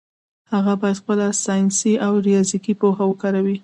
هغه باید خپله ساینسي او ریاضیکي پوهه وکاروي.